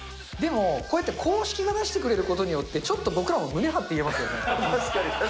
でも、こうやって公式が出してくれることによって、ちょっと僕らも胸張確かに、確かに。